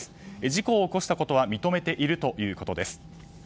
事故を起こしたことは認めているということです。